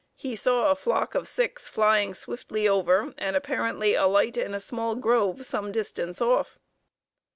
he saw a flock of six flying swiftly over and apparently alight in a small grove some distance off.